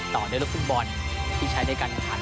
ต่อด้วยฟุตบอลที่ใช้ด้วยการกระทัน